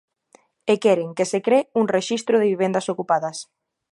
E queren que se cre un rexistro de vivendas ocupadas.